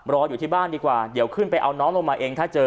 อยู่ที่บ้านดีกว่าเดี๋ยวขึ้นไปเอาน้องลงมาเองถ้าเจอ